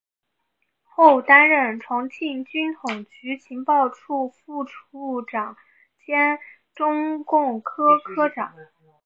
后担任重庆军统局情报处副处长兼中共科科长。